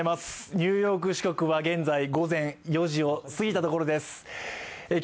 ニューヨーク支局は現在４時をすぎたところです。